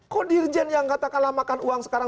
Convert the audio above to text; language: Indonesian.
kok dirjen yang katakanlah makan uang sekarang